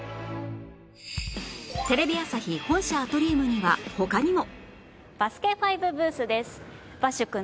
テレビ朝日本社アトリウムには他にも